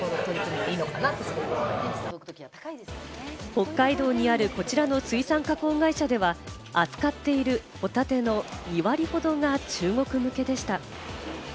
北海道にあるこちらの水産加工会社では、扱っているホタテの２割ほどが中国向けでした。